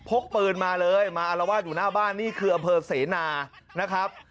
กปืนมาเลยมาอารวาสอยู่หน้าบ้านนี่คืออำเภอเสนานะครับ